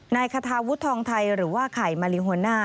นายคาทาวุฒิทองไทยหรือว่าไข่มาริโฮน่า